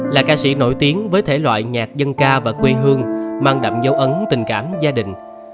là ca sĩ nổi tiếng với thể loại nhạc dân ca và quê hương mang đậm dấu ấn tình cảm gia đình